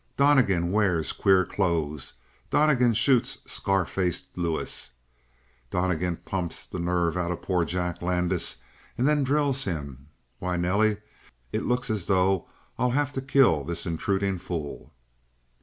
"Donnegan wears queer clothes; Donnegan shoots Scar faced Lewis; Donnegan pumps the nerve out of poor Jack Landis and then drills him. Why, Nelly, it looks as though I'll have to kill this intruding fool!"